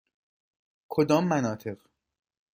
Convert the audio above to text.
کدام مناطق؟